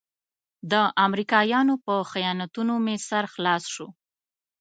د امریکایانو په خیانتونو مې سر خلاص شو.